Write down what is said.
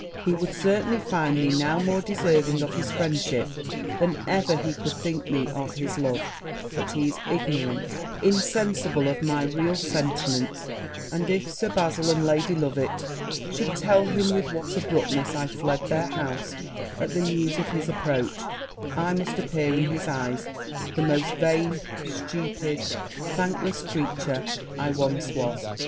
he would certainly find me now more deserving of his friendship than ever he could think me of his love: but he is ignorant, insensible, of my real sentiments; and if Sir Bazil and Lady Loveit should tell him with what abruptness I fled their house at the news of his approach, I must appear in his eyes the most vain, stupid, thankless, creature I once was.